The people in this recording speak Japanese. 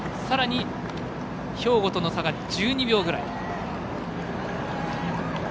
さらに兵庫との差が１２秒ぐらい。